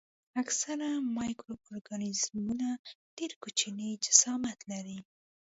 اکثره مایکرو ارګانیزمونه ډېر کوچني جسامت لري.